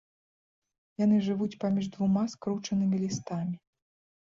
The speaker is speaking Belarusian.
Яны жывуць паміж двума скручанымі лістамі.